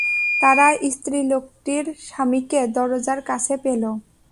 তারা স্ত্রীলোকটির স্বামীকে দরজার কাছে পেল।